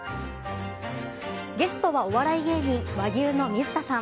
ゲストはお笑い芸人、和牛の水田さん。